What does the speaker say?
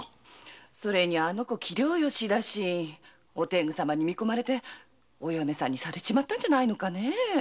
それに器量よしだしお天狗様に見込まれてお嫁さんにされちまったんじゃないのかねぇ。